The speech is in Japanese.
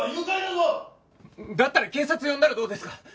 だったら警察呼んだらどうですか。